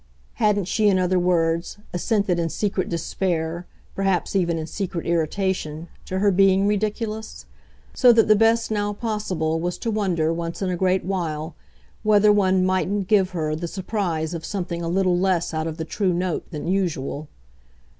Hadn't she, in other words, assented in secret despair, perhaps even in secret irritation, to her being ridiculous? so that the best now possible was to wonder, once in a great while, whether one mightn't give her the surprise of something a little less out of the true note than usual.